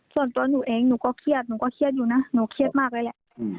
ส่วนตัวหนูเองหนูก็เครียดหนูก็เครียดอยู่นะหนูเครียดมากเลยแหละ